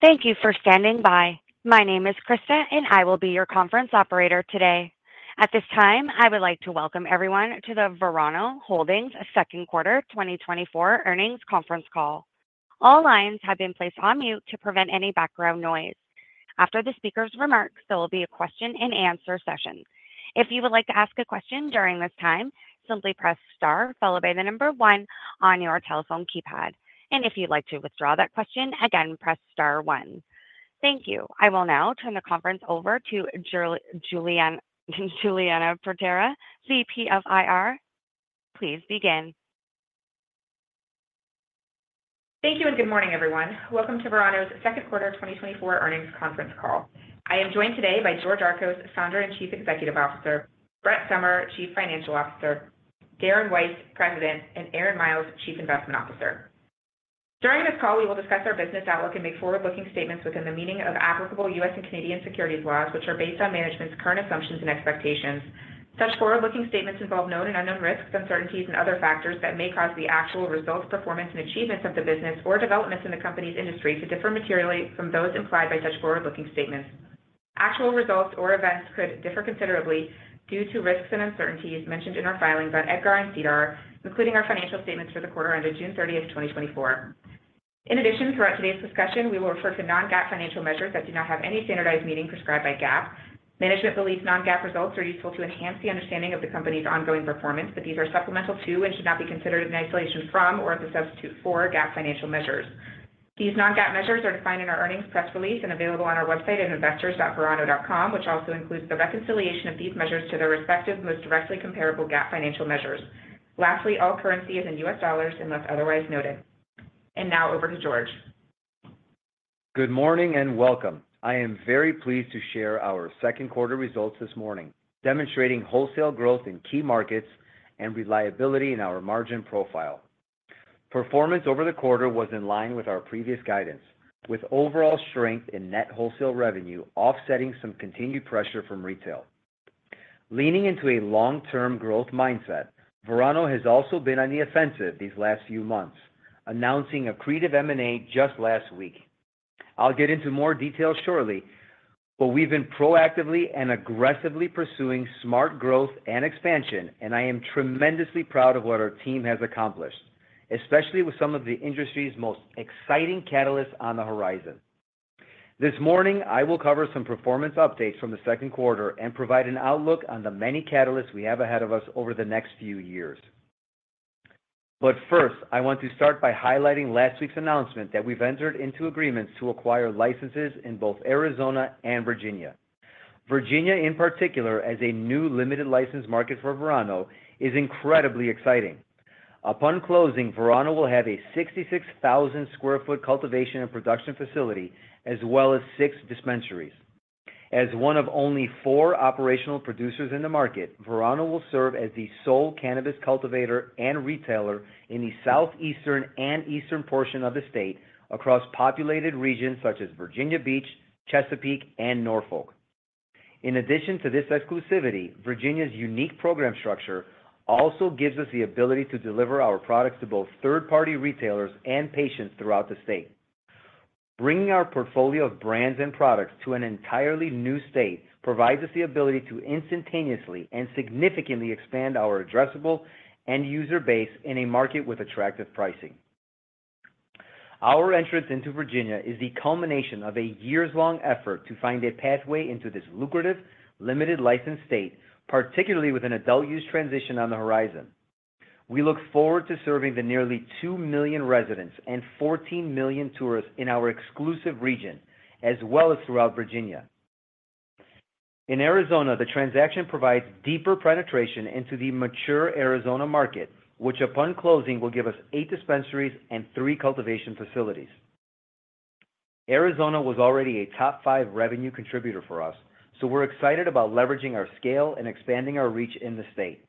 Thank you for standing by. My name is Krista, and I will be your conference operator today. At this time, I would like to welcome everyone to the Verano Holdings second quarter 2024 earnings conference call. All lines have been placed on mute to prevent any background noise. After the speaker's remarks, there will be a question-and-answer session. If you would like to ask a question during this time, simply press star followed by the number one on your telephone keypad. If you'd like to withdraw that question, again, press star one. Thank you. I will now turn the conference over to Julianna Paterra, VP of IR. Please begin. Thank you and good morning, everyone. Welcome to Verano's second quarter 2024 earnings conference call. I am joined today by George Archos, Founder and Chief Executive Officer, Brett Sommer, Chief Financial Officer, Darren Weiss, President, and Aaron Miles, Chief Investment Officer. During this call, we will discuss our business outlook and make forward-looking statements within the meaning of applicable U.S. and Canadian securities laws, which are based on management's current assumptions and expectations. Such forward-looking statements involve known and unknown risks, uncertainties, and other factors that may cause the actual results, performance, and achievements of the business or developments in the company's industry to differ materially from those implied by such forward-looking statements. Actual results or events could differ considerably due to risks and uncertainties mentioned in our filings on EDGAR and SEDAR, including our financial statements for the quarter ended June 30th, 2024. In addition, throughout today's discussion, we will refer to non-GAAP financial measures that do not have any standardized meaning prescribed by GAAP. Management believes non-GAAP results are useful to enhance the understanding of the company's ongoing performance, but these are supplemental to and should not be considered in isolation from or as a substitute for GAAP financial measures. These non-GAAP measures are defined in our earnings press release and available on our website at investors.verano.com, which also includes the reconciliation of these measures to their respective most directly comparable GAAP financial measures. Lastly, all currency is in U.S. dollars unless otherwise noted. Now over to George. Good morning, and welcome. I am very pleased to share our second quarter results this morning, demonstrating wholesale growth in key markets and reliability in our margin profile. Performance over the quarter was in line with our previous guidance, with overall strength in net wholesale revenue offsetting some continued pressure from retail. Leaning into a long-term growth mindset, Verano has also been on the offensive these last few months, announcing accretive M&A just last week. I'll get into more details shortly, but we've been proactively and aggressively pursuing smart growth and expansion, and I am tremendously proud of what our team has accomplished, especially with some of the industry's most exciting catalysts on the horizon. This morning, I will cover some performance updates from the second quarter and provide an outlook on the many catalysts we have ahead of us over the next few years. But first, I want to start by highlighting last week's announcement that we've entered into agreements to acquire licenses in both Arizona and Virginia. Virginia, in particular, as a new limited license market for Verano, is incredibly exciting. Upon closing, Verano will have a 66,000 sq ft cultivation and production facility, as well as six dispensaries. As one of only four operational producers in the market, Verano will serve as the sole Cannabist cultivator and retailer in the southeastern and eastern portion of the state across populated regions such as Virginia Beach, Chesapeake, and Norfolk. In addition to this exclusivity, Virginia's unique program structure also gives us the ability to deliver our products to both third-party retailers and patients throughout the state. Bringing our portfolio of brands and products to an entirely new state provides us the ability to instantaneously and significantly expand our addressable end-user base in a market with attractive pricing. Our entrance into Virginia is the culmination of a years-long effort to find a pathway into this lucrative, limited license state, particularly with an adult use transition on the horizon. We look forward to serving the nearly 2 million residents and 14 million tourists in our exclusive region, as well as throughout Virginia. In Arizona, the transaction provides deeper penetration into the mature Arizona market, which, upon closing, will give us 8 dispensaries and 3 cultivation facilities. Arizona was already a top 5 revenue contributor for us, so we're excited about leveraging our scale and expanding our reach in the state.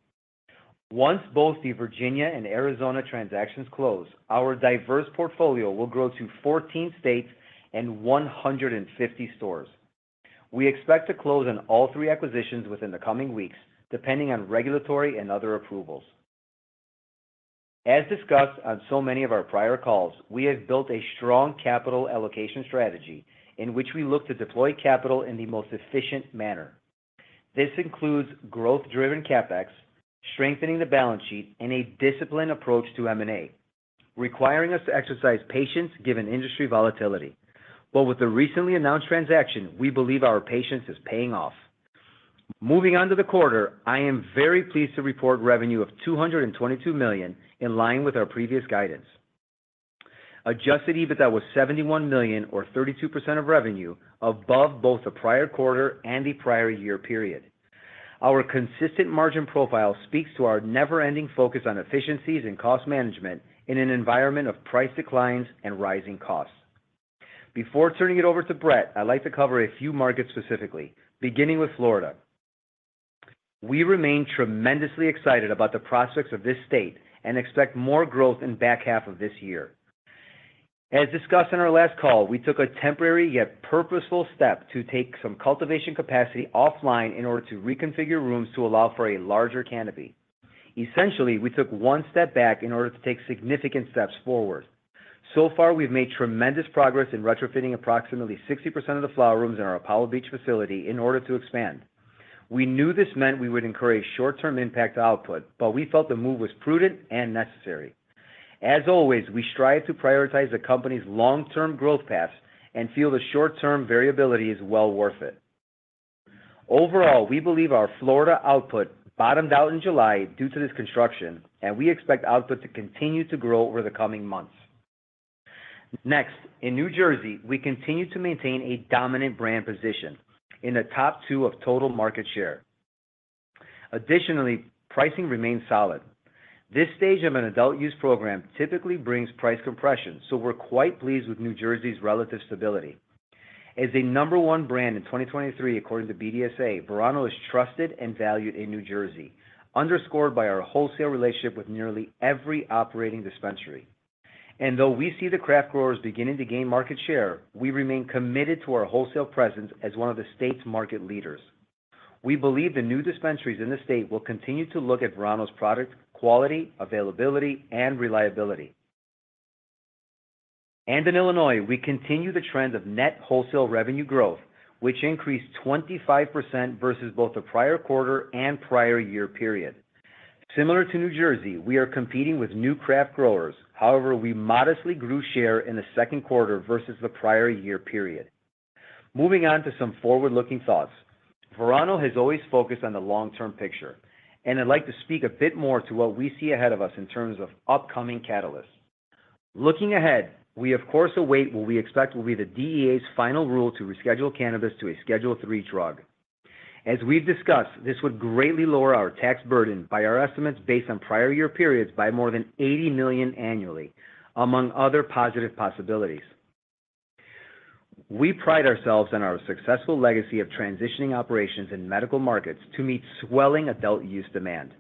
Once both the Virginia and Arizona transactions close, our diverse portfolio will grow to 14 states and 150 stores. We expect to close on all three acquisitions within the coming weeks, depending on regulatory and other approvals. As discussed on so many of our prior calls, we have built a strong capital allocation strategy in which we look to deploy capital in the most efficient manner. This includes growth-driven CapEx, strengthening the balance sheet, and a disciplined approach to M&A, requiring us to exercise patience given industry volatility. But with the recently announced transaction, we believe our patience is paying off. Moving on to the quarter, I am very pleased to report revenue of $222 million, in line with our previous guidance. Adjusted EBITDA was $71 million, or 32% of revenue, above both the prior quarter and the prior year period. Our consistent margin profile speaks to our never-ending focus on efficiencies and cost management in an environment of price declines and rising costs. Before turning it over to Brett, I'd like to cover a few markets specifically, beginning with Florida. We remain tremendously excited about the prospects of this state and expect more growth in back half of this year. As discussed on our last call, we took a temporary, yet purposeful step to take some cultivation capacity offline in order to reconfigure rooms to allow for a larger canopy. Essentially, we took one step back in order to take significant steps forward. So far, we've made tremendous progress in retrofitting approximately 60% of the flower rooms in our Apollo Beach facility in order to expand. We knew this meant we would incur a short-term impact to output, but we felt the move was prudent and necessary. As always, we strive to prioritize the company's long-term growth paths, and feel the short-term variability is well worth it. Overall, we believe our Florida output bottomed out in July due to this construction, and we expect output to continue to grow over the coming months. Next, in New Jersey, we continue to maintain a dominant brand position in the top 2 of total market share. Additionally, pricing remains solid. This stage of an Adult Use program typically brings price compression, so we're quite pleased with New Jersey's relative stability. As a number one brand in 2023, according to BDSA, Verano is trusted and valued in New Jersey, underscored by our wholesale relationship with nearly every operating dispensary. And though we see the craft growers beginning to gain market share, we remain committed to our wholesale presence as one of the state's market leaders. We believe the new dispensaries in the state will continue to look at Verano's product, quality, availability, and reliability. And in Illinois, we continue the trend of net wholesale revenue growth, which increased 25% versus both the prior quarter and prior year period. Similar to New Jersey, we are competing with new craft growers. However, we modestly grew share in the second quarter versus the prior year period. Moving on to some forward-looking thoughts. Verano has always focused on the long-term picture, and I'd like to speak a bit more to what we see ahead of us in terms of upcoming catalysts. Looking ahead, we, of course, await what we expect will be the DEA's final rule to reschedule cannabis to a Schedule III drug. As we've discussed, this would greatly lower our tax burden by our estimates, based on prior year periods, by more than $80 million annually, among other positive possibilities. We pride ourselves on our successful legacy of transitioning operations in medical markets to meet swelling adult use demand.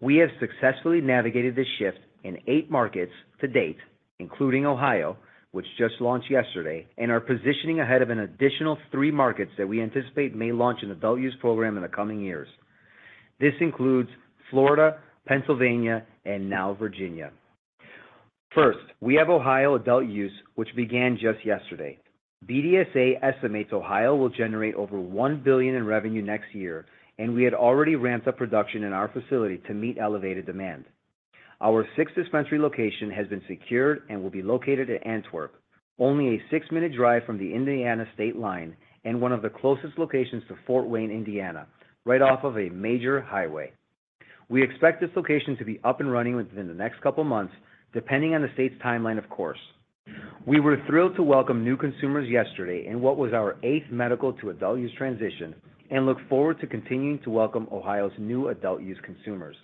We have successfully navigated this shift in eight markets to date, including Ohio, which just launched yesterday, and are positioning ahead of an additional three markets that we anticipate may launch an adult use program in the coming years. This includes Florida, Pennsylvania, and now Virginia. First, we have Ohio adult use, which began just yesterday. BDSA estimates Ohio will generate over $1 billion in revenue next year, and we had already ramped up production in our facility to meet elevated demand. Our 6th dispensary location has been secured and will be located at Antwerp, only a 6-minute drive from the Indiana State line and one of the closest locations to Fort Wayne, Indiana, right off of a major highway. We expect this location to be up and running within the next couple of months, depending on the state's timeline, of course. We were thrilled to welcome new consumers yesterday in what was our 8th medical to adult use transition, and look forward to continuing to welcome Ohio's new adult use consumers.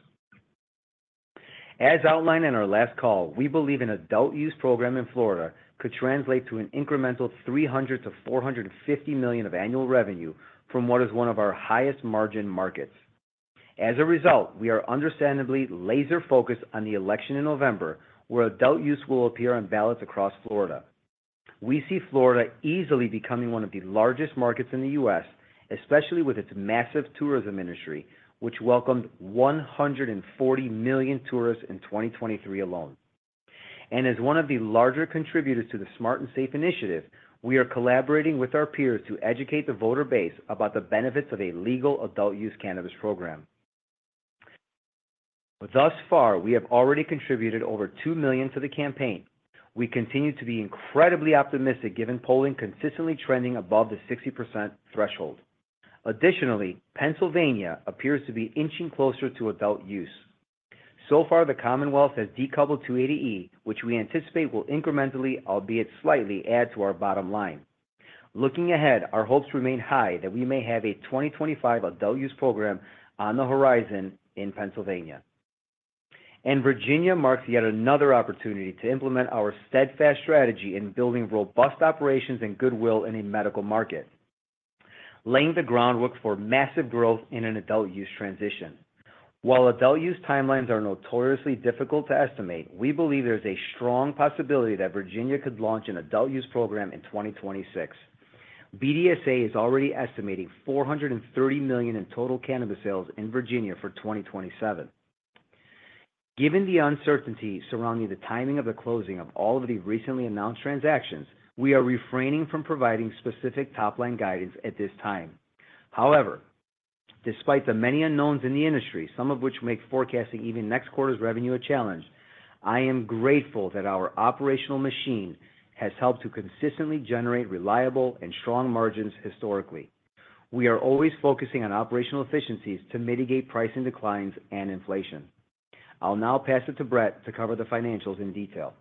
As outlined in our last call, we believe an adult use program in Florida could translate to an incremental $300 million-$450 million of annual revenue from what is one of our highest margin markets. As a result, we are understandably laser-focused on the election in November, where adult use will appear on ballots across Florida. We see Florida easily becoming one of the largest markets in the U.S., especially with its massive tourism industry, which welcomed 140 million tourists in 2023 alone. As one of the larger contributors to the Smart & Safe initiative, we are collaborating with our peers to educate the voter base about the benefits of a legal adult-use cannabis program. Thus far, we have already contributed over $2 million to the campaign. We continue to be incredibly optimistic, given polling consistently trending above the 60% threshold. Additionally, Pennsylvania appears to be inching closer to adult use. So far, the Commonwealth has decoupled 280E, which we anticipate will incrementally, albeit slightly, add to our bottom line. Looking ahead, our hopes remain high that we may have a 2025 adult use program on the horizon in Pennsylvania. Virginia marks yet another opportunity to implement our steadfast strategy in building robust operations and goodwill in a medical market, laying the groundwork for massive growth in an adult use transition. While adult use timelines are notoriously difficult to estimate, we believe there's a strong possibility that Virginia could launch an adult use program in 2026. BDSA is already estimating $430 million in total cannabis sales in Virginia for 2027. Given the uncertainty surrounding the timing of the closing of all of the recently announced transactions, we are refraining from providing specific top-line guidance at this time. However, despite the many unknowns in the industry, some of which make forecasting even next quarter's revenue a challenge, I am grateful that our operational machine has helped to consistently generate reliable and strong margins historically. We are always focusing on operational efficiencies to mitigate pricing declines and inflation. I'll now pass it to Brett to cover the financials in detail.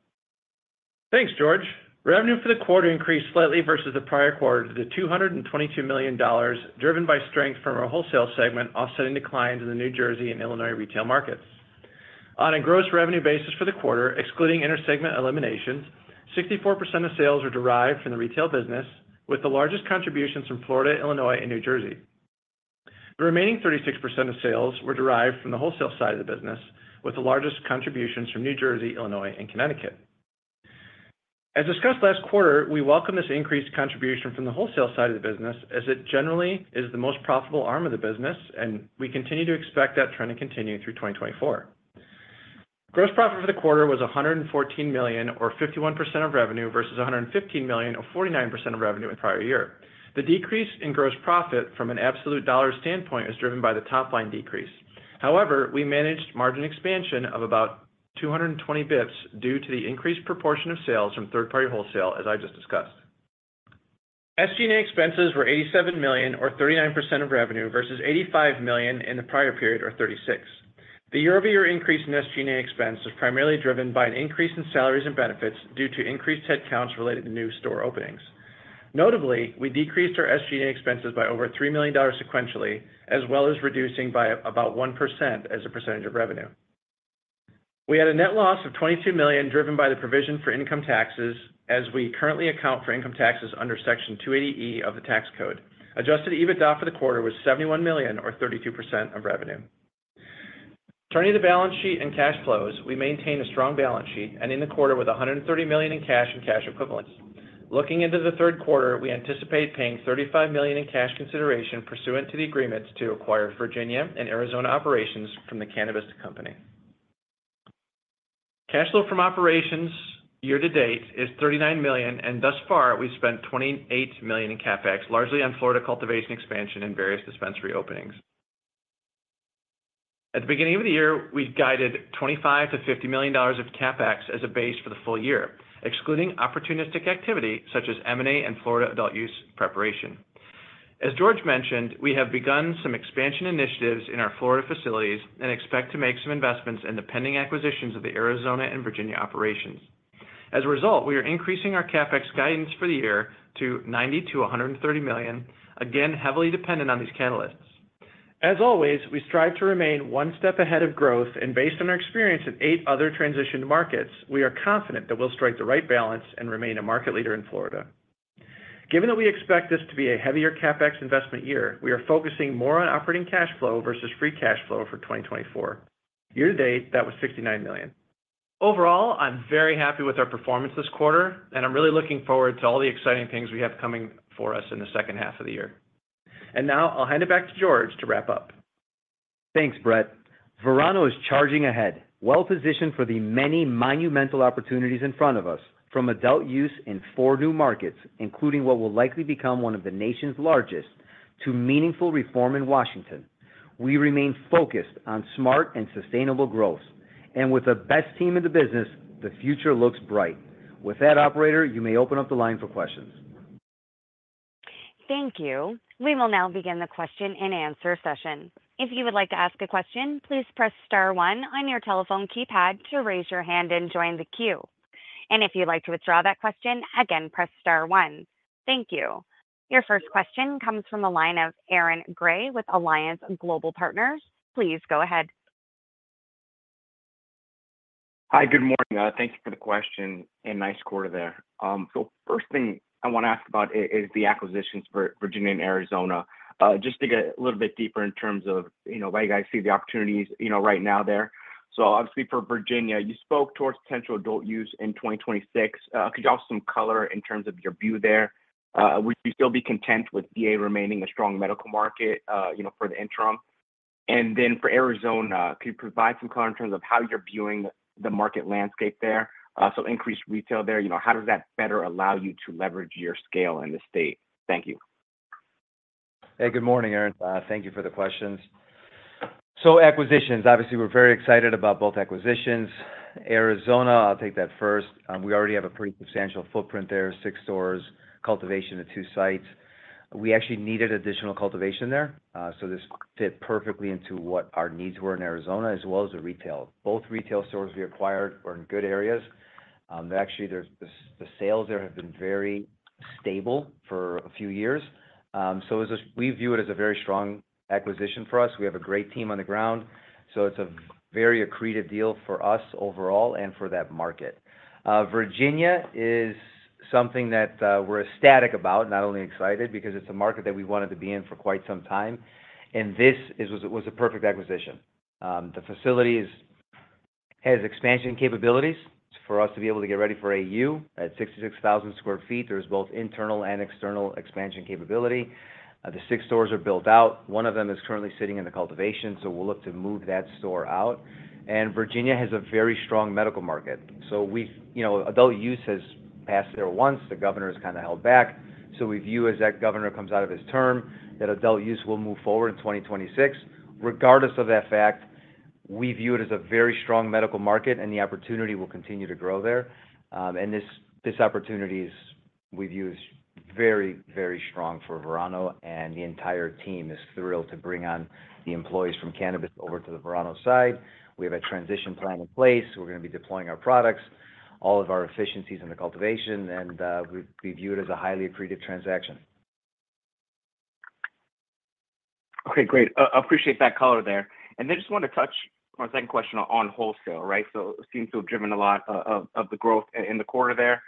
Thanks, George. Revenue for the quarter increased slightly versus the prior quarter to $222 million, driven by strength from our wholesale segment, offsetting declines in the New Jersey and Illinois retail markets. On a gross revenue basis for the quarter, excluding intersegment eliminations, 64% of sales were derived from the retail business, with the largest contributions from Florida, Illinois, and New Jersey. The remaining 36% of sales were derived from the wholesale side of the business, with the largest contributions from New Jersey, Illinois, and Connecticut. As discussed last quarter, we welcome this increased contribution from the wholesale side of the business, as it generally is the most profitable arm of the business, and we continue to expect that trend to continue through 2024. Gross profit for the quarter was $114 million, or 51% of revenue, versus $115 million, or 49% of revenue in prior year. The decrease in gross profit from an absolute dollar standpoint is driven by the top line decrease. However, we managed margin expansion of about 220 basis points due to the increased proportion of sales from third-party wholesale, as I just discussed. SG&A expenses were $87 million, or 39% of revenue, versus $85 million in the prior period, or 36%. The year-over-year increase in SG&A expense is primarily driven by an increase in salaries and benefits due to increased headcounts related to new store openings. Notably, we decreased our SG&A expenses by over $3 million sequentially, as well as reducing by about 1% as a percentage of revenue. We had a net loss of $22 million, driven by the provision for income taxes, as we currently account for income taxes under Section 280E of the tax code. Adjusted EBITDA for the quarter was $71 million, or 32% of revenue. Turning to the balance sheet and cash flows, we maintain a strong balance sheet, and in the quarter, with $130 million in cash and cash equivalents. Looking into the third quarter, we anticipate paying $35 million in cash consideration pursuant to the agreements to acquire Virginia and Arizona operations from The Cannabist Company. Cash flow from operations year-to-date is $39 million, and thus far, we spent $28 million in CapEx, largely on Florida cultivation expansion and various dispensary openings. At the beginning of the year, we guided $25 million-$50 million of CapEx as a base for the full year, excluding opportunistic activity such as M&A and Florida adult use preparation. As George mentioned, we have begun some expansion initiatives in our Florida facilities and expect to make some investments in the pending acquisitions of the Arizona and Virginia operations. As a result, we are increasing our CapEx guidance for the year to $90 million-$130 million, again, heavily dependent on these catalysts. As always, we strive to remain one step ahead of growth, and based on our experience in eight other transition markets, we are confident that we'll strike the right balance and remain a market leader in Florida. Given that we expect this to be a heavier CapEx investment year, we are focusing more on operating cash flow versus free cash flow for 2024. Year-to-date, that was $69 million. Overall, I'm very happy with our performance this quarter, and I'm really looking forward to all the exciting things we have coming for us in the second half of the year. And now I'll hand it back to George to wrap up. Thanks, Brett. Verano is charging ahead, well-positioned for the many monumental opportunities in front of us, from adult use in four new markets, including what will likely become one of the nation's largest, to meaningful reform in Washington. We remain focused on smart and sustainable growth, and with the best team in the business, the future looks bright. With that, operator, you may open up the line for questions. Thank you. We will now begin the question-and-answer session. If you would like to ask a question, please press star one on your telephone keypad to raise your hand and join the queue. And if you'd like to withdraw that question, again, press star one. Thank you. Your first question comes from the line of Aaron Grey with Alliance Global Partners. Please go ahead. Hi, good morning. Thank you for the question, and nice quarter there. So first thing I want to ask about is the acquisitions for Virginia and Arizona. Just to get a little bit deeper in terms of, you know, like I see the opportunities, you know, right now there. So obviously, for Virginia, you spoke towards potential Adult Use in 2026. Could you offer some color in terms of your view there? Would you still be content with VA remaining a strong medical market, you know, for the interim? And then for Arizona, could you provide some color in terms of how you're viewing the market landscape there? So increased retail there, you know, how does that better allow you to leverage your scale in the state? Thank you. Hey, good morning, Aaron. Thank you for the questions. So acquisitions, obviously, we're very excited about both acquisitions. Arizona, I'll take that first. We already have a pretty substantial footprint there, six stores, cultivation at two sites. We actually needed additional cultivation there, so this fit perfectly into what our needs were in Arizona, as well as the retail. Both retail stores we acquired were in good areas. Actually, the sales there have been very stable for a few years. So we view it as a very strong acquisition for us. We have a great team on the ground, so it's a very accretive deal for us overall and for that market. Virginia is something that, we're ecstatic about, not only excited, because it's a market that we wanted to be in for quite some time, and this was a perfect acquisition. The facilities has expansion capabilities for us to be able to get ready for AU. At 66,000 sq ft, there is both internal and external expansion capability. The six stores are built out. One of them is currently sitting in the cultivation, so we'll look to move that store out. Virginia has a very strong medical market, so we, you know, adult use has passed there once. The governor has kind of held back, so we view as that governor comes out of his term, that adult use will move forward in 2026. Regardless of that fact, we view it as a very strong medical market, and the opportunity will continue to grow there. And this opportunity we view as very, very strong for Verano, and the entire team is thrilled to bring on the employees from Cannabis over to the Verano side. We have a transition plan in place. We're going to be deploying our products, all of our efficiencies in the cultivation, and we view it as a highly accretive transaction. Okay, great. I appreciate that color there. And then I just wanted to touch on a second question on wholesale, right? So it seems to have driven a lot of the growth in the quarter there.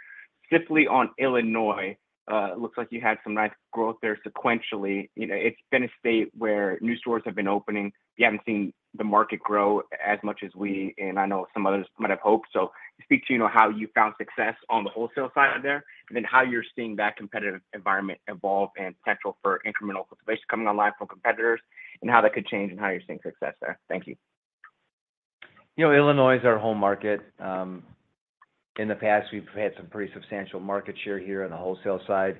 Specifically on Illinois, it looks like you had some nice growth there sequentially. You know, it's been a state where new stores have been opening. You haven't seen the market grow as much as we, and I know some others might have hoped. So speak to, you know, how you found success on the wholesale side there, and then how you're seeing that competitive environment evolve and potential for incremental cultivation coming online from competitors, and how that could change, and how you're seeing success there. Thank you. You know, Illinois is our home market. In the past, we've had some pretty substantial market share here on the wholesale side.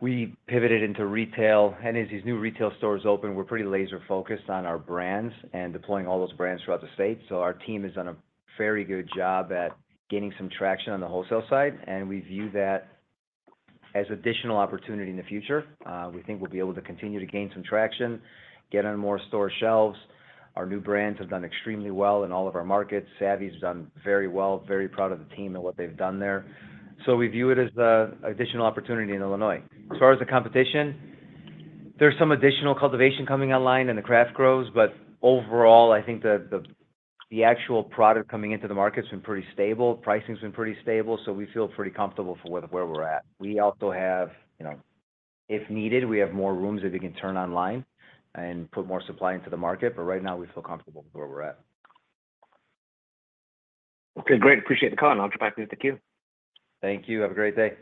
We pivoted into retail, and as these new retail stores open, we're pretty laser-focused on our brands and deploying all those brands throughout the state. So our team has done a very good job at gaining some traction on the wholesale side, and we view that as additional opportunity in the future. We think we'll be able to continue to gain some traction, get on more store shelves. Our new brands have done extremely well in all of our markets. Savvy's done very well, very proud of the team and what they've done there. So we view it as a additional opportunity in Illinois. As far as the competition, there's some additional cultivation coming online, and the craft grows, but overall, I think the actual product coming into the market has been pretty stable. Pricing's been pretty stable, so we feel pretty comfortable with where we're at. We also have, you know, if needed, we have more rooms that we can turn online and put more supply into the market, but right now we feel comfortable with where we're at. Okay, great. Appreciate the call, and I'll drop back with the queue. Thank you. Have a great day.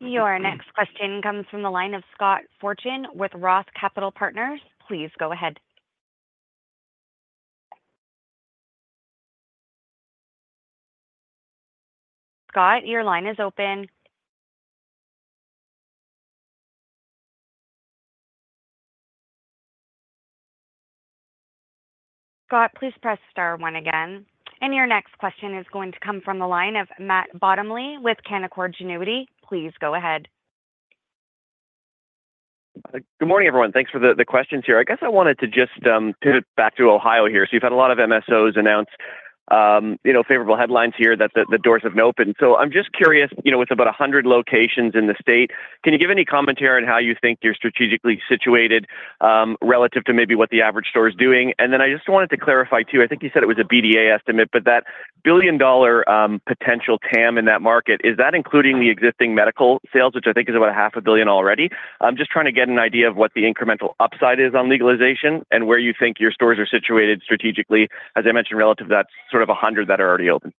Your next question comes from the line of Scott Fortune with Roth MKM. Please go ahead. Scott, your line is open. Scott, please press star one again. Your next question is going to come from the line of Matt Bottomley, with Canaccord Genuity. Please go ahead. Good morning, everyone. Thanks for the questions here. I guess I wanted to just pivot back to Ohio here. So you've had a lot of MSOs announce, you know, favorable headlines here, that the doors have opened. So I'm just curious, you know, with about 100 locations in the state, can you give any commentary on how you think you're strategically situated relative to maybe what the average store is doing? And then I just wanted to clarify, too, I think you said it was a BDSA estimate, but that $1 billion potential TAM in that market, is that including the existing medical sales, which I think is about $500 million already? I'm just trying to get an idea of what the incremental upside is on legalization and where you think your stores are situated strategically, as I mentioned, relative to that sort of 100 that are already open.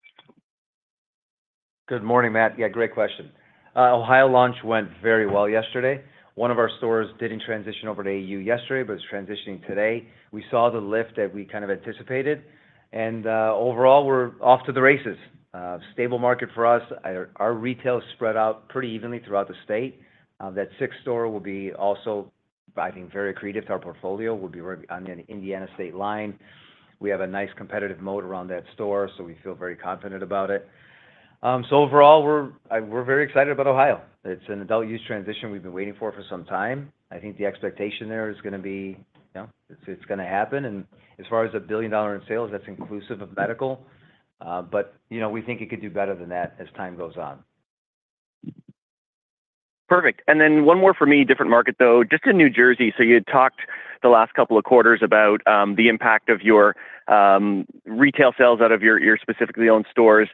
Good morning, Matt. Yeah, great question. Ohio launch went very well yesterday. One of our stores didn't transition over to AU yesterday, but it's transitioning today. We saw the lift that we kind of anticipated, and overall, we're off to the races. Stable market for us. Our retail is spread out pretty evenly throughout the state. That sixth store will be also, I think, very accretive to our portfolio, will be right on the Indiana state line. We have a nice competitive moat around that store, so we feel very confident about it. So overall, we're very excited about Ohio. It's an adult use transition we've been waiting for for some time. I think the expectation there is gonna be, you know, it's, it's going to happen, and as far as $1 billion in sales, that's inclusive of medical. But, you know, we think it could do better than that as time goes on. Perfect. And then one more for me, different market, though, just in New Jersey. So you had talked the last couple of quarters about the impact of your retail sales out of your specifically owned stores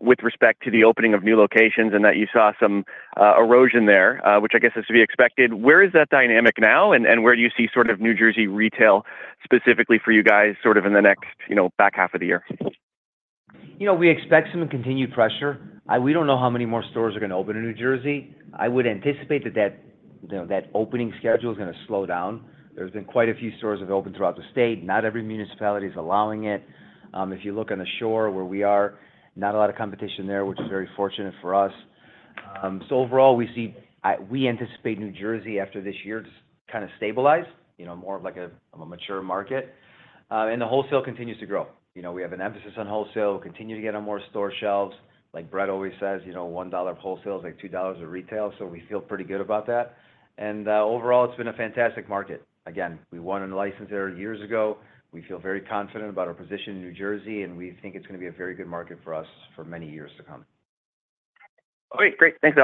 with respect to the opening of new locations and that you saw some erosion there, which I guess is to be expected. Where is that dynamic now, and where do you see sort of New Jersey retail specifically for you guys, sort of in the next, you know, back half of the year? You know, we expect some continued pressure. We don't know how many more stores are gonna open in New Jersey. I would anticipate that that, you know, that opening schedule is gonna slow down. There's been quite a few stores have opened throughout the state. Not every municipality is allowing it. If you look on the shore where we are, not a lot of competition there, which is very fortunate for us. So overall, we see we anticipate New Jersey after this year to kind of stabilize, you know, more of like a, a mature market. And the wholesale continues to grow. You know, we have an emphasis on wholesale. We'll continue to get on more store shelves. Like Brett always says, you know, $1 of wholesale is like $2 of retail, so we feel pretty good about that. Overall, it's been a fantastic market. Again, we won a license there years ago. We feel very confident about our position in New Jersey, and we think it's gonna be a very good market for us for many years to come. Okay, great. Thanks.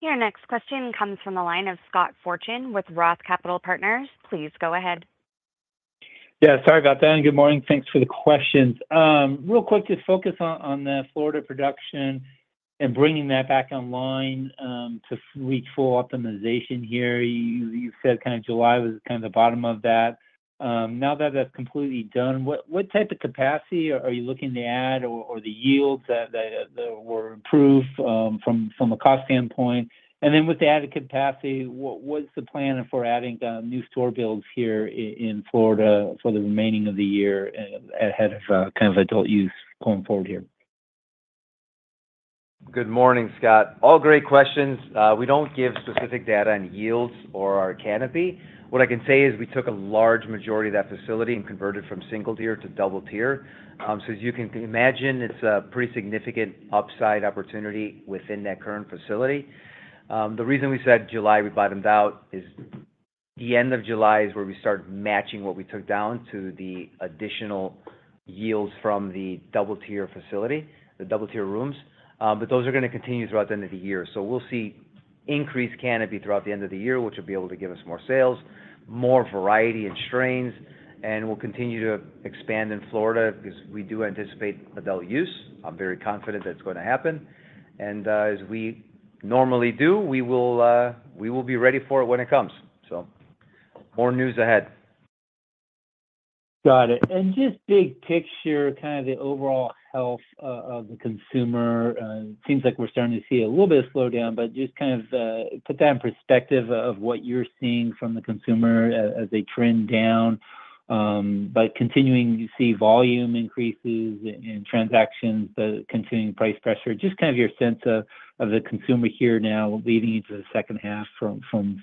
Your next question comes from the line of Scott Fortune with Roth MKM. Please go ahead. Yeah, sorry about that, and good morning. Thanks for the questions. Real quick, just focus on the Florida production and bringing that back online to reach full optimization here. You said kind of July was kind of the bottom of that. Now that that's completely done, what type of capacity are you looking to add or the yields that were improved from a cost standpoint? And then with the added capacity, what's the plan for adding new store builds here in Florida for the remaining of the year ahead of kind of Adult Use going forward here? Good morning, Scott. All great questions. We don't give specific data on yields or our canopy. What I can say is we took a large majority of that facility and converted from single tier to double tier. So as you can imagine, it's a pretty significant upside opportunity within that current facility. The reason we said July, we bottomed out, is the end of July is where we start matching what we took down to the additional yields from the double-tier facility, the double-tier rooms. But those are going to continue throughout the end of the year. So we'll see increased canopy throughout the end of the year, which will be able to give us more sales, more variety in strains, and we'll continue to expand in Florida because we do anticipate adult use. I'm very confident that's going to happen, and, as we normally do, we will, we will be ready for it when it comes. So more news ahead. Got it. And just big picture, kind of the overall health of the consumer, seems like we're starting to see a little bit of slowdown, but just kind of put that in perspective of what you're seeing from the consumer as they trend down, by continuing to see volume increases in transactions, the continuing price pressure. Just kind of your sense of the consumer here now leading into the second half from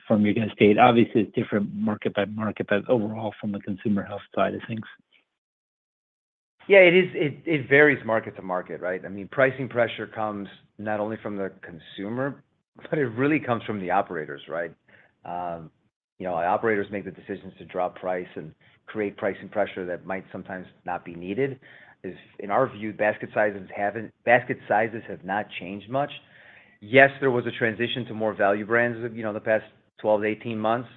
your United States. Obviously, it's different market by market, but overall from the consumer health side of things. Yeah, it is, it varies market to market, right? I mean, pricing pressure comes not only from the consumer, but it really comes from the operators, right? You know, operators make the decisions to drop price and create pricing pressure that might sometimes not be needed. In our view, basket sizes have not changed much. Yes, there was a transition to more value brands, you know, in the past 12-18 months,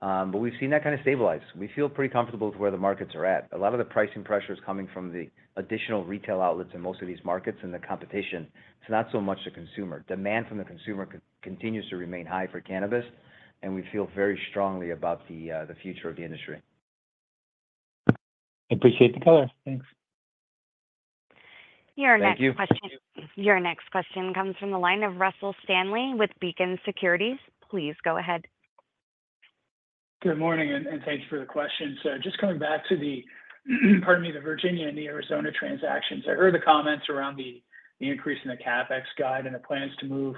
but we've seen that kind of stabilize. We feel pretty comfortable with where the markets are at. A lot of the pricing pressure is coming from the additional retail outlets in most of these markets and the competition. It's not so much the consumer. Demand from the consumer continues to remain high for cannabis, and we feel very strongly about the future of the industry. I appreciate the color. Thanks. Thank you. Your next question comes from the line of Russell Stanley with Beacon Securities. Please go ahead. Good morning, and thank you for the question. So just coming back to the, pardon me, the Virginia and the Arizona transactions. I heard the comments around the increase in the CapEx guide and the plans to move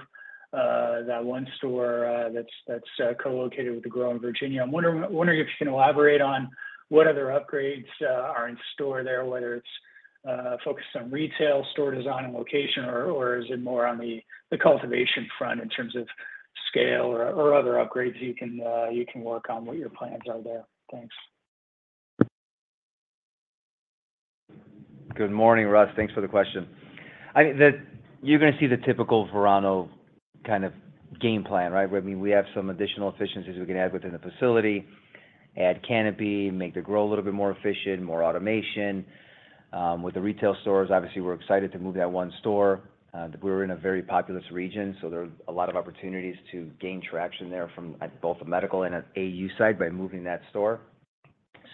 that one store that's co-located with the grow in Virginia. I'm wondering if you can elaborate on what other upgrades are in store there, whether it's focused on retail, store design, and location, or is it more on the cultivation front in terms of scale or other upgrades you can work on, what your plans are there? Thanks. Good morning, Russ. Thanks for the question. I think that you're going to see the typical Verano kind of game plan, right? Where, I mean, we have some additional efficiencies we can add within the facility, add canopy, make the grow a little bit more efficient, more automation. With the retail stores, obviously, we're excited to move that one store. We're in a very populous region, so there are a lot of opportunities to gain traction there from at both the medical and AU side by moving that store.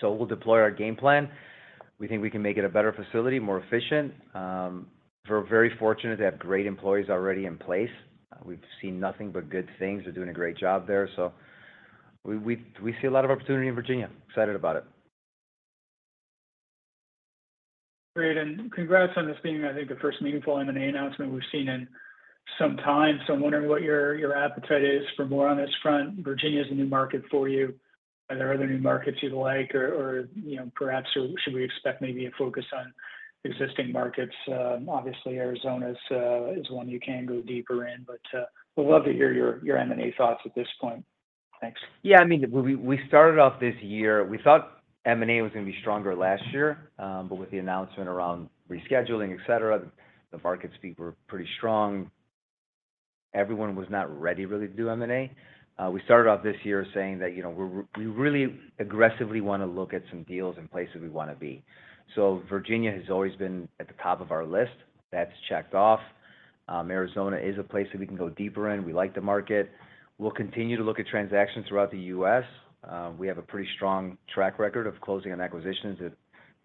So we'll deploy our game plan. We think we can make it a better facility, more efficient. We're very fortunate to have great employees already in place. We've seen nothing but good things. They're doing a great job there. So we see a lot of opportunity in Virginia. Excited about it. Great. And congrats on this being, I think, the first meaningful M&A announcement we've seen in some time. So I'm wondering what your, your appetite is for more on this front. Virginia is a new market for you. Are there other new markets you'd like or, you know, perhaps should we expect maybe a focus on existing markets? Obviously, Arizona's is one you can go deeper in, but, we'd love to hear your, your M&A thoughts at this point. Thanks. Yeah, I mean, we started off this year. We thought M&A was going to be stronger last year, but with the announcement around rescheduling, etc., the market speak were pretty strong. Everyone was not ready, really, to do M&A. We started off this year saying that, you know, we really aggressively want to look at some deals in places we want to be. So Virginia has always been at the top of our list. That's checked off. Arizona is a place that we can go deeper in. We like the market. We'll continue to look at transactions throughout the U.S. We have a pretty strong track record of closing on acquisitions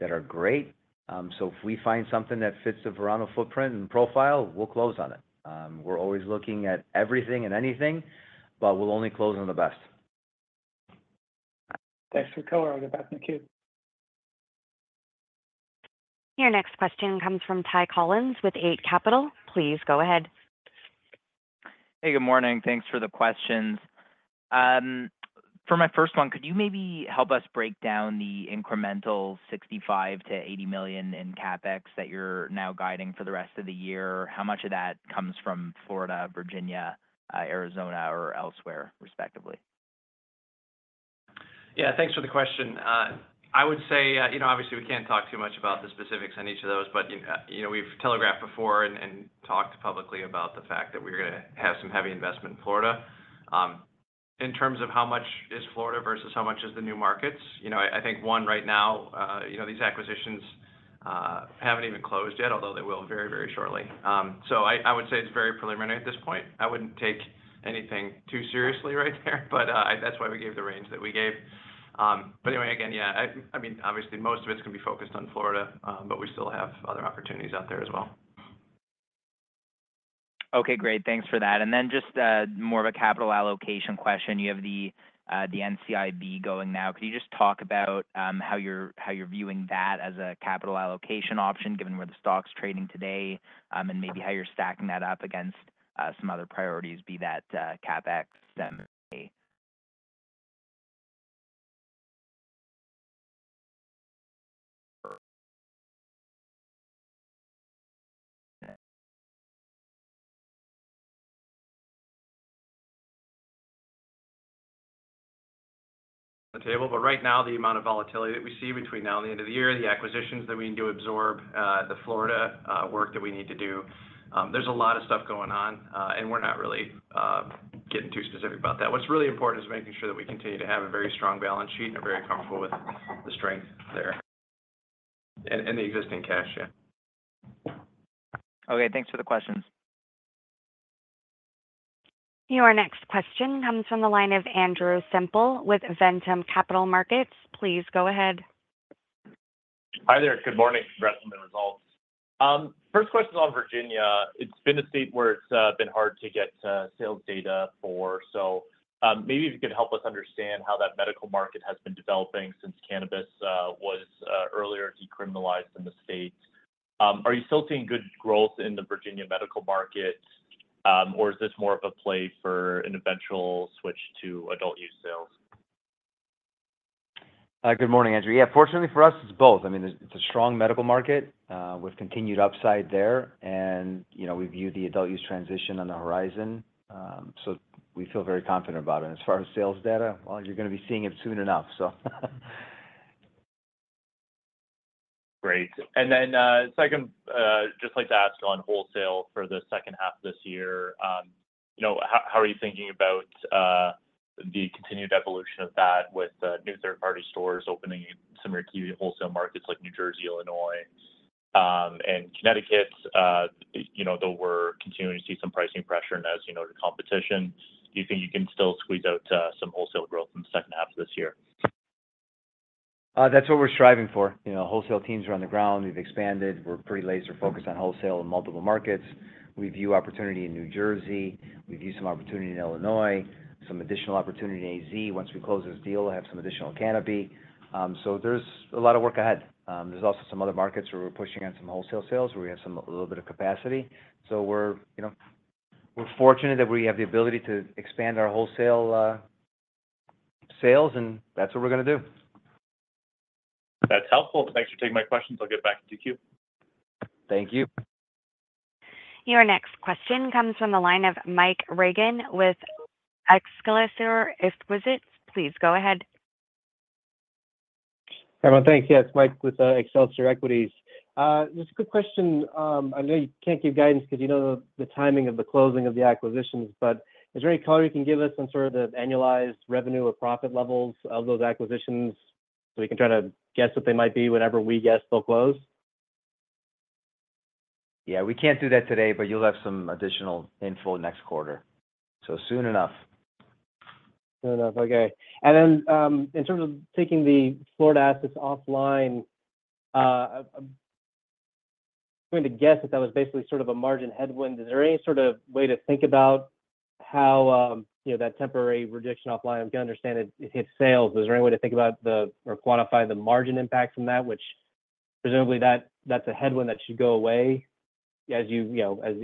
that are great. So if we find something that fits the Verano footprint and profile, we'll close on it. We're always looking at everything and anything, but we'll only close on the best. Thanks for the color. I'll get back in the queue. Your next question comes from Ty Collin with Eight Capital. Please go ahead. Hey, good morning. Thanks for the questions. For my first one, could you maybe help us break down the incremental $65 million-$80 million in CapEx that you're now guiding for the rest of the year? How much of that comes from Florida, Virginia, Arizona, or elsewhere, respectively? Yeah, thanks for the question. I would say, you know, obviously, we can't talk too much about the specifics on each of those, but, you know, we've telegraphed before and, and talked publicly about the fact that we're gonna have some heavy investment in Florida. In terms of how much is Florida versus how much is the new markets, you know, I think one, right now, you know, these acquisitions haven't even closed yet, although they will very, very shortly. So I, I would say it's very preliminary at this point. I wouldn't take anything too seriously right there, but, that's why we gave the range that we gave. But anyway, again, yeah, I, I mean, obviously, most of it's going to be focused on Florida, but we still have other opportunities out there as well. Okay, great. Thanks for that. And then just more of a capital allocation question. You have the NCIB going now. Could you just talk about how you're viewing that as a capital allocation option, given where the stock's trading today, and maybe how you're stacking that up against some other priorities, be that CapEx, M&A? The table, but right now, the amount of volatility that we see between now and the end of the year, the acquisitions that we need to absorb, the Florida work that we need to do, there's a lot of stuff going on, and we're not really getting too specific about that. What's really important is making sure that we continue to have a very strong balance sheet, and we're very comfortable with the strength there. And, and the existing cash, yeah. Okay, thanks for the questions. Your next question comes from the line of Andrew Semple with Ventum Capital Markets. Please go ahead. Hi there. Good morning. Congrats on the results. First question's on Virginia. It's been a state where it's been hard to get sales data for, so maybe if you could help us understand how that medical market has been developing since cannabis was earlier decriminalized in the state. Are you still seeing good growth in the Virginia medical market, or is this more of a play for an eventual switch to adult use sales? Good morning, Andrew. Yeah, fortunately for us, it's both. I mean, it's a strong medical market with continued upside there, and, you know, we view the adult use transition on the horizon. So we feel very confident about it. And as far as sales data, well, you're gonna be seeing it soon enough, so Great. And then, second, just like to ask on wholesale for the second half of this year, you know, how, how are you thinking about, the continued evolution of that with, new third-party stores opening in some retail wholesale markets like New Jersey, Illinois, and Connecticut? You know, though we're continuing to see some pricing pressure and as, you know, the competition, do you think you can still squeeze out, some wholesale growth in the second half of this year? That's what we're striving for. You know, wholesale teams are on the ground. We've expanded. We're pretty laser focused on wholesale in multiple markets. We view opportunity in New Jersey. We view some opportunity in Illinois, some additional opportunity in AZ. Once we close this deal, we'll have some additional canopy. So there's a lot of work ahead. There's also some other markets where we're pushing on some wholesale sales, where we have some a little bit of capacity. So we're, you know, we're fortunate that we have the ability to expand our wholesale sales, and that's what we're going to do. That's helpful. Thanks for taking my questions. I'll get back to the queue. Thank you. Your next question comes from the line of Mike Regan with Excelsior Equities. Please go ahead. Everyone, thanks. Yes, Mike with Excelsior Equities. Just a quick question. I know you can't give guidance because you know the, the timing of the closing of the acquisitions, but is there any color you can give us on sort of the annualized revenue or profit levels of those acquisitions, so we can try to guess what they might be whenever we guess they'll close? Yeah, we can't do that today, but you'll have some additional info next quarter. Soon enough. Soon enough, okay. And then, in terms of taking the Florida assets offline, I'm going to guess that that was basically sort of a margin headwind. Is there any sort of way to think about how, you know, that temporary reduction offline, I'm gonna understand it, it hits sales. Is there any way to think about the, or quantify the margin impact from that, which presumably, that's a headwind that should go away as you, as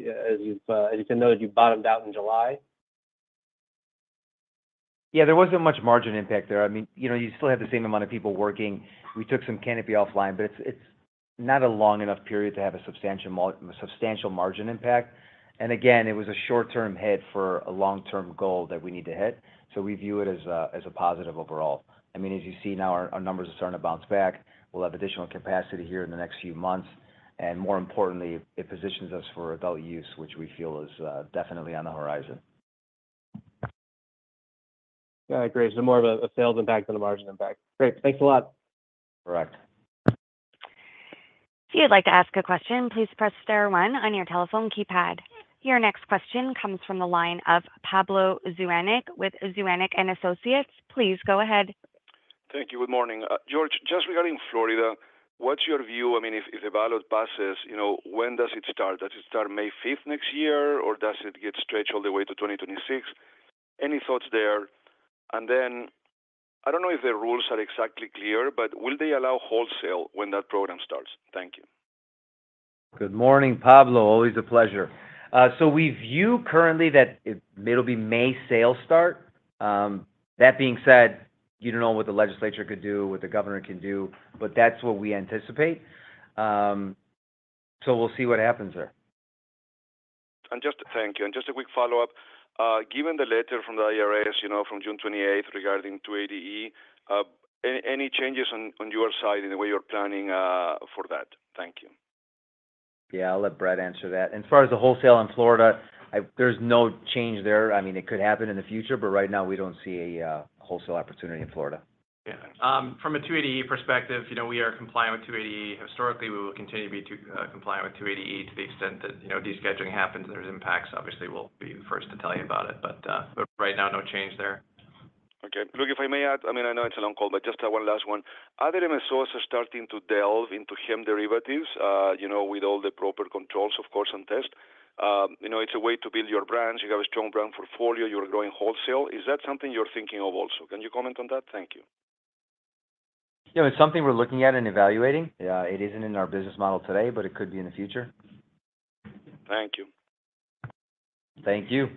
you've been noted, you bottomed out in July? Yeah, there wasn't much margin impact there. I mean, you know, you still have the same amount of people working. We took some canopy offline, but it's not a long enough period to have a substantial margin impact. And again, it was a short-term hit for a long-term goal that we need to hit, so we view it as a positive overall. I mean, as you see now, our numbers are starting to bounce back. We'll have additional capacity here in the next few months, and more importantly, it positions us for adult use, which we feel is definitely on the horizon. Yeah, great. So more of a sales impact than a margin impact. Great. Thanks a lot. Correct. If you'd like to ask a question, please press star one on your telephone keypad. Your next question comes from the line of Pablo Zuanich with Zuanich & Associates. Please go ahead. Thank you. Good morning. George, just regarding Florida, what's your view? I mean, if, if the ballot passes, you know, when does it start? Does it start May 5 next year, or does it get stretched all the way to 2026? Any thoughts there? And then, I don't know if the rules are exactly clear, but will they allow wholesale when that program starts? Thank you. Good morning, Pablo. Always a pleasure. So we view currently that it, it'll be May sales start. That being said, you don't know what the legislature could do, what the governor can do, but that's what we anticipate. So we'll see what happens there. Thank you. Just a quick follow-up. Given the letter from the IRS, you know, from June 28th regarding 280E, any changes on your side in the way you're planning for that? Thank you. Yeah, I'll let Brett answer that. As far as the wholesale in Florida, there's no change there. I mean, it could happen in the future, but right now we don't see a wholesale opportunity in Florida. Yeah. From a 280E perspective, you know, we are complying with 280E. Historically, we will continue to be compliant with 280E to the extent that, you know, descheduling happens and there's impacts. Obviously, we'll be the first to tell you about it, but right now, no change there. Okay. Look, if I may add, I mean, I know it's a long call, but just, one last one. Other MSOs are starting to delve into hemp derivatives, you know, with all the proper controls, of course, and test. You know, it's a way to build your brands. You have a strong brand portfolio, you're growing wholesale. Is that something you're thinking of also? Can you comment on that? Thank you. You know, it's something we're looking at and evaluating. It isn't in our business model today, but it could be in the future. Thank you. Thank you.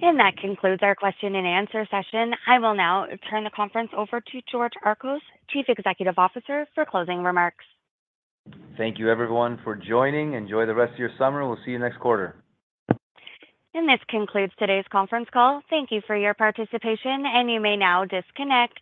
That concludes our question and answer session. I will now turn the conference over to George Archos, Chief Executive Officer, for closing remarks. Thank you, everyone, for joining. Enjoy the rest of your summer. We'll see you next quarter. This concludes today's conference call. Thank you for your participation, and you may now disconnect.